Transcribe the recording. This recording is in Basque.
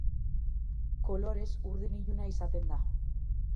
Kolorez, urdin iluna izaten da.